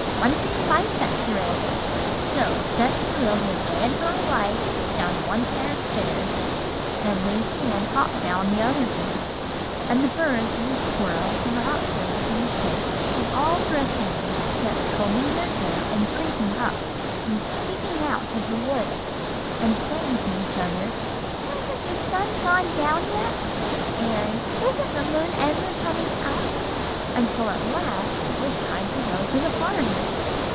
Run for your life, Betserilda.' "So Betserilda ran for her life down one pair of stairs, and Lucy Ann hopped down the other pair, and the birds and the squirrels and the hop toads and the snakes and all the rest of them kept combing their hair and prinking up, and peeking out of the wood, and saying to each other, 'Hasn't the sun gone down yet?' and 'Isn't the moon ever coming up?' until at last it was time to go to the party.